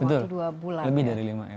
waktu dua bulan lebih dari lima m